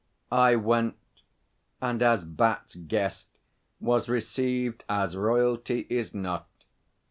I went, and, as Bat's guest, was received as Royalty is not.